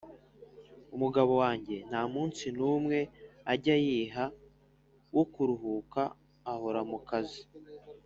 umugabo wanjye nta munsi n’umwe ajya yiha wo kuruhuka ahora mu kazi,